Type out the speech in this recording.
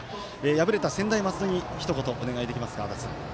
敗れた専大松戸にひと言お願いできますか。